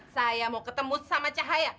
saya mau ketemu sama cahaya